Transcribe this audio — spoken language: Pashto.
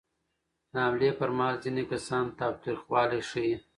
د حملې پر مهال ځینې کسان تاوتریخوالی ښيي.